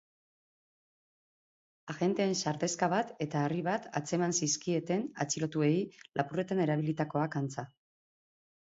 Agenteek sardexka bat eta harri bat atzeman zizkieten atxilotuei, lapurretan erabilitakoak antza.